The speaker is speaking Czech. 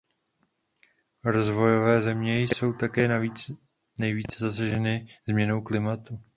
Rozvojové země jsou také navíc nejvíce zasaženy změnou klimatu.